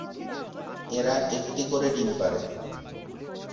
এরা একটি করে ডিম পাড়ে।